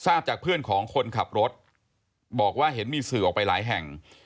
ทราบจากเพื่อนของคนขับรถบอกว่าเห็นมีสื่อออกไปหลายแห่ง